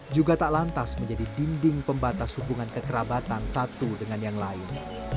juga tak lantas menjadi dinding pembatas hubungan kekerabatan satu dengan yang lain